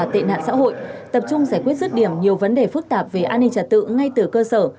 tập trung giải quyết rứt điểm nhiều vấn đề phức tạp về an ninh trả tự ngay từ cơ sở